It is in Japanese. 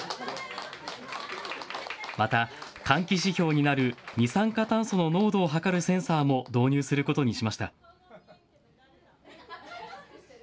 また換気指標になる二酸化炭素の濃度を測るセンサーも導入することにしました。